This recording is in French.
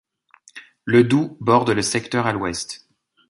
Le Doubs borde le secteur à l'ouest.